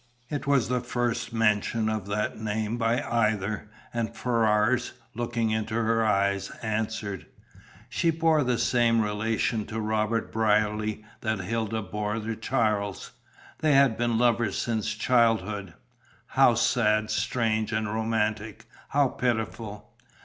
It was the first mention of that name by either, and Ferrars, looking into her eyes, answered: "She bore the same relation to Robert Brierly that Hilda bore to Charles. They had been lovers since childhood." "How sad, strange, and romantic! How pitiful!"